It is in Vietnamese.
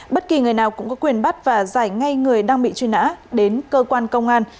bất kỳ người nào cũng có quyền bắt và giải ngay người đang bị truy nã đến cơ quan công an